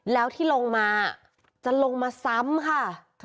แล้วที่ลงมาจะลงมาซ้ำค่ะ